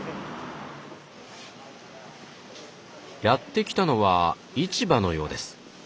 やって来たのは市場のようです。